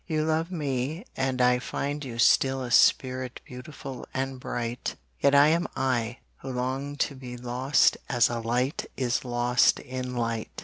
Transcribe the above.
You love me, and I find you still A spirit beautiful and bright, Yet I am I, who long to be Lost as a light is lost in light.